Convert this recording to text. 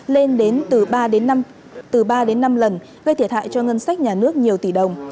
lên đến từ ba đến năm lần gây thiệt hại cho ngân sách nhà nước nhiều tỷ đồng